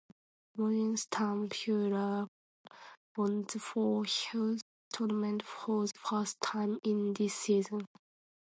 Morgenstern further won the Four Hills Tournament for the first time in this season.